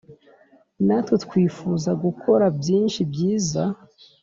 Natwe twifuza gukora byinshi byiza